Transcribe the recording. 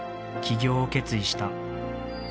起業を決意した。